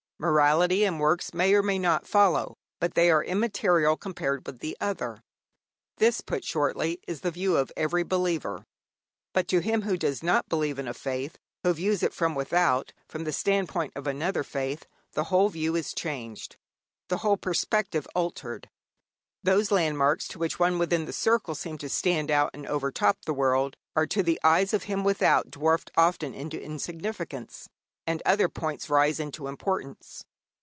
Morality and works may or may not follow, but they are immaterial compared with the other. This, put shortly, is the view of every believer. But to him who does not believe in a faith, who views it from without, from the standpoint of another faith, the whole view is changed, the whole perspective altered. Those landmarks which to one within the circle seem to stand out and overtop the world are to the eyes of him without dwarfed often into insignificance, and other points rise into importance.